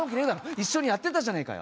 一緒にやってたじゃねえかよ！